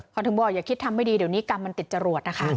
เขาถึงบอกอย่าคิดทำไม่ดีเดี๋ยวนี้กรรมมันติดจรวดนะคะ